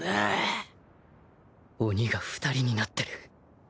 鬼が２人になってる。